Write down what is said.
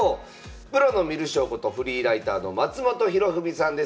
プロの観る将ことフリーライターの松本博文さんです。